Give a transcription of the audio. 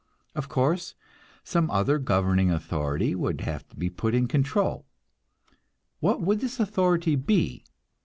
Of course, some other governing authority would have to be put in control. What would this authority be?